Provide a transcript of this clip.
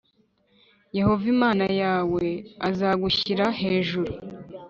yehova imana yawe azagushyira hejuru